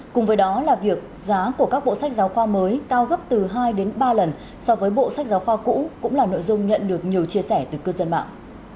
cùng với đó là việc giá của các bộ sách giáo khoa mới cao gấp từ hai đến ba lần so với bộ sách giáo khoa cũ cũng là nội dung nhận được nhiều chia sẻ từ cư dân mạng